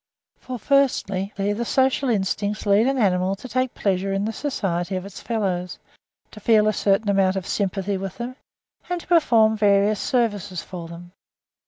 For, FIRSTLY, the social instincts lead an animal to take pleasure in the society of its fellows, to feel a certain amount of sympathy with them, and to perform various services for them.